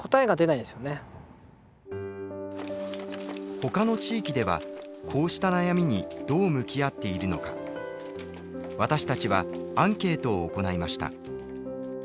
ほかの地域ではこうした悩みにどう向き合っているのか私たちはアンケートを行いました。